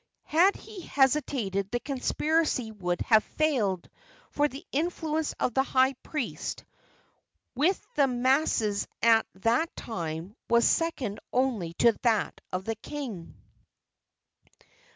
Had he hesitated the conspiracy would have failed, for the influence of the high priest with the masses at that time was second only to that of the king.